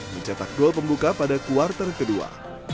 mencetak gol pembuka pada kuartal kedua